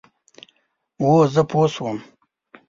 هو، زه پوه شوم،